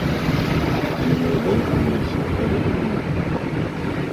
Зимой волка бойся, а летом мухи.